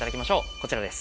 こちらです。